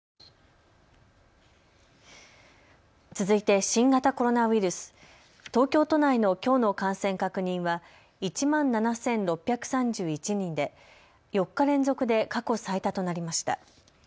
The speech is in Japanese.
続いて新型コロナウイルス、東京都内のきょうの感染確認は１万７６３１人で４日連続で過去最多となりました。